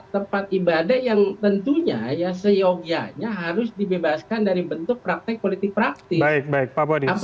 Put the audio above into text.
tempat ibadah yang tentunya ya seyogianya harus dibebaskan dari bentuk praktek politik praktis